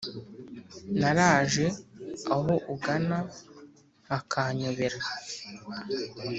Naraje aho ugana hakanyobera